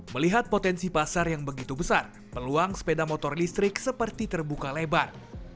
melihat potensi pasar yang begitu besar peluang sepeda motor listrik seperti terbuka lebar